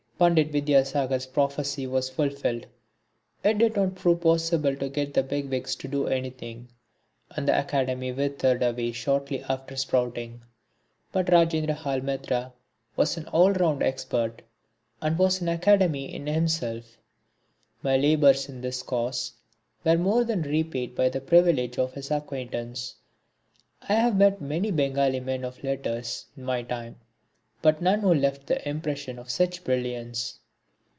Pandit Vidyasagar's prophecy was fulfilled. It did not prove possible to get the big wigs to do anything. And the academy withered away shortly after sprouting. But Rajendrahal Mitra was an all round expert and was an academy in himself. My labours in this cause were more than repaid by the privilege of his acquaintance. I have met many Bengali men of letters in my time but none who left the impression of such brilliance.